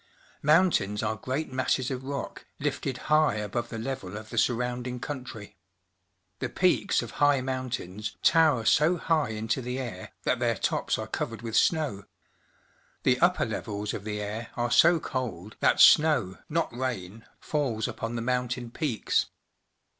Mountains are great masses of rock, lifted high above the level of the surrounding countr^^ The peaks of high mountains tower so high into the air that their tops are covered with snow. The upper levels of the air are so cold, that snow, not rain, falls upon the mountain peaks.